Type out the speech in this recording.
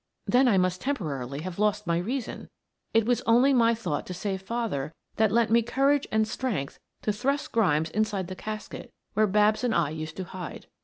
Then I must temporarily have lost my reason. It was only my thought to save father that lent me courage and strength to thrust Grimes inside the casket where Babs and I used to hide.